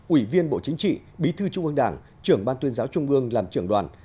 ủy viên bộ chính trị bí thư trung ương đảng trưởng ban tuyên giáo trung ương làm trưởng đoàn